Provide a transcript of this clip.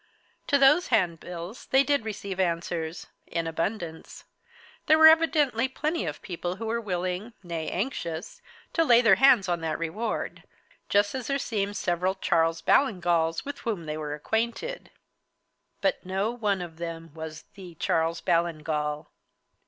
To those handbills they did receive answers in abundance. There were evidently plenty of people who were willing, nay, anxious, to lay their hands on that reward, just as there seemed several Charles Ballingalls with whom they were acquainted. But no one of them was the Charles Ballingall.